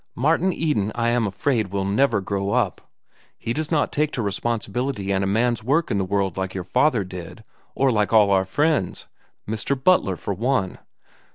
Martin Eden, I am afraid, will never grow up. He does not take to responsibility and a man's work in the world like your father did, or like all our friends, Mr. Butler for one.